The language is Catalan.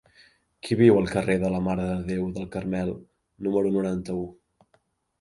Qui viu al carrer de la Mare de Déu del Carmel número noranta-u?